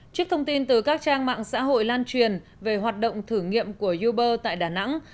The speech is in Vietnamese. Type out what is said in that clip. trước thông tin từ các trang mạng xã hội lan truyền về hoạt động thử nghiệm của uber tại đà nẵng